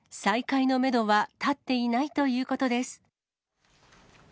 再開のメドは立っていないということです。